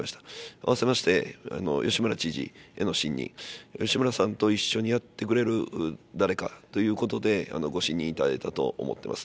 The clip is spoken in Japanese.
併せまして、吉村知事への信任、吉村さんと一緒にやってくれる誰かということで、ご信任いただいたと思ってます。